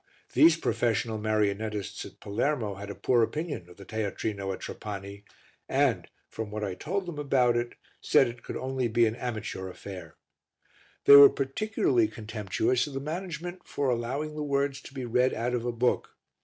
These professional marionettists at Palermo had a poor opinion of the teatrino at Trapani and, from what I told them about it, said it could only be an amateur affair. They were particularly contemptuous of the management for allowing the words to be read out of a book.